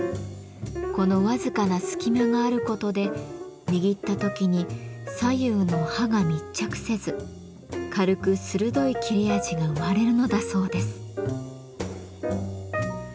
この僅かな隙間があることで握った時に左右の刃が密着せず軽く鋭い切れ味が生まれるのだそうです。